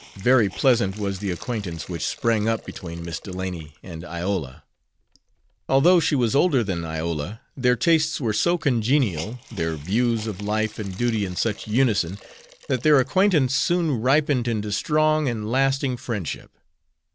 '" Very pleasant was the acquaintance which sprang up between Miss Delany and Iola. Although she was older than Iola, their tastes were so congenial, their views of life and duty in such unison, that their acquaintance soon ripened into strong and lasting friendship.